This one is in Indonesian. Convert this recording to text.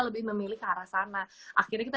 lebih memilih ke arah sana akhirnya kita